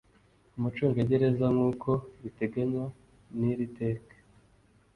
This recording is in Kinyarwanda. umucungagereza nkuko biteganywa n iri teka